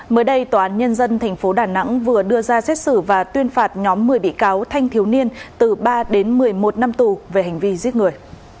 mới đây tòa án nhân dân tp đà nẵng vừa đưa ra xét xử và tuyên phạt nhóm một mươi bị cáo thanh thiếu niên từ ba đến một mươi một năm tù về hành vi giết người